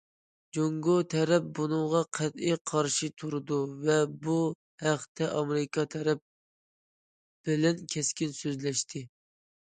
جۇڭگو تەرەپ بۇنىڭغا قەتئىي قارشى تۇرىدۇ ۋە بۇ ھەقتە ئامېرىكا تەرەپ بىلەن كەسكىن سۆزلەشتى.